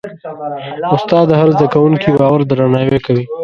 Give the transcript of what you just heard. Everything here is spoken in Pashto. استاد د هر زده کوونکي باور درناوی کوي.